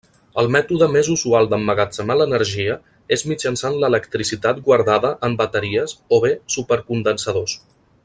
El mètode més usual d'emmagatzemar l'energia és mitjançant l'electricitat guardada en bateries o bé supercondensadors.